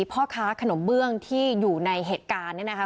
พ่อค้าขนมเบื้องที่อยู่ในเหตุการณ์เนี่ยนะคะ